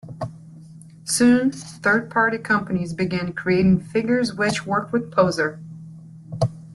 Soon, third-party companies began creating figures which work with Poser.